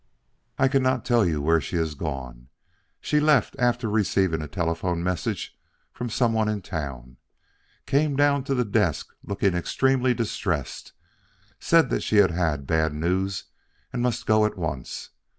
"I cannot tell you where she has gone. She left after receiving a telephone message from some one in town. Came down to the desk looking extremely distressed, said that she had had bad news and must go at once.